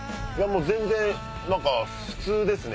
全然普通ですね